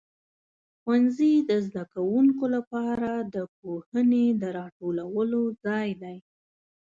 ښوونځي د زده کوونکو لپاره د پوهنې د راټولو ځای دی.